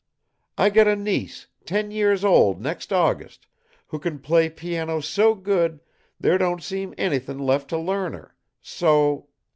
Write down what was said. I got a niece ten years old next August who can play piano so good there don't seem anythin' left to learn her, so